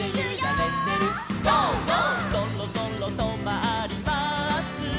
「そろそろとまります」